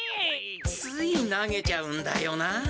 つい投げちゃうんだよな。